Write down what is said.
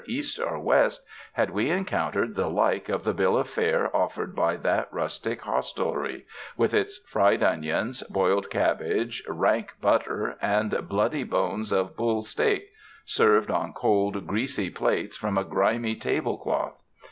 East or West, had we encountered the like of the bill of fare offered by that rustic hostelry — with its fried onions, boiled cab bage, rank butter, and bloody bones of bull steak — served on cold, greasy plates upon a grimy table cloth.